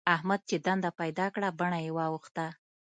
احمد چې دنده پيدا کړه؛ بڼه يې واوښته.